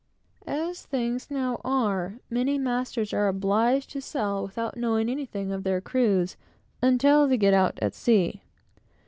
As things now are, many masters are obliged to sail without knowing anything of their crews, until they get out at sea.